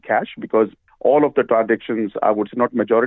karena semua transaksi bukan kebanyakan